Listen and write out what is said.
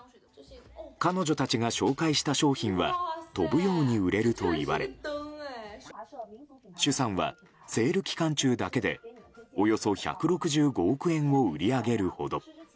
彼女たちが紹介した商品は飛ぶように売れるといわれシュさんはセール期間中だけでおよそ１６５億円を売り上げるほど。